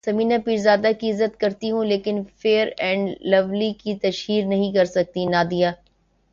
ثمینہ پیرزادہ کی عزت کرتی ہوں لیکن فیئر اینڈ لولی کی تشہیر نہیں کرسکتی نادیہ